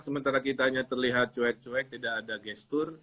sementara kita hanya terlihat cuek cuek tidak ada gestur